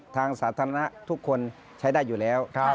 ทางสาธารณะทุกคนใช้ได้อยู่แล้ว